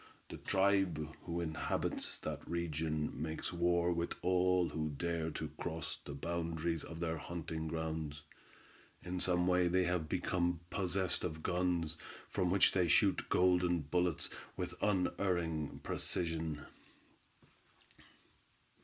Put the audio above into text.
The tribe who inhabits that region makes war with all who dare to cross the boundaries of their hunting grounds. In some way they have become possessed of guns from which they shoot golden bullets with unerring precision.